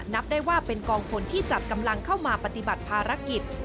นับได้ว่าเป็นกองพลที่จัดกำลังเข้ามาปฏิบัติภารกิจ